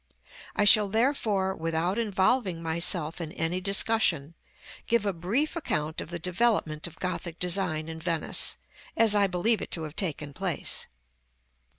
I shall therefore, without involving myself in any discussion, give a brief account of the developement of Gothic design in Venice, as I believe it to have taken place.